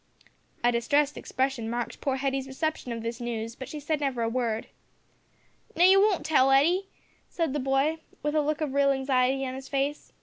A distressed expression marked poor Hetty's reception of this news, but she said never a word. "Now you won't tell, Hetty?" said the boy with a look of real anxiety on his face.